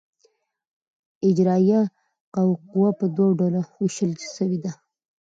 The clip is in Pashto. اجرائیه قوه پر دوه ډوله وېشل سوې ده.